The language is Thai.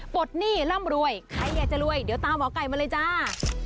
ปลดหนี้ร่ำรวยใครอยากจะรวยเดี๋ยวตามหมอไก่มาเลยจ้า